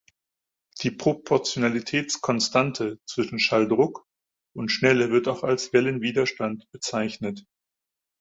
Die Proportionalitätskonstante zwischen Schalldruck und Schnelle wird auch als Wellenwiderstand bezeichnet.